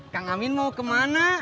kang amin mau ke mana